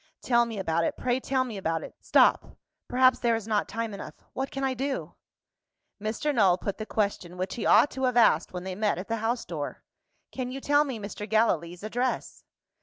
"Tell me about it; pray tell me about it. Stop! Perhaps, there is not time enough. What can I do?" Mr. Null put the question, which he ought to have asked when they met at the house door. "Can you tell me Mr. Gallilee's address?"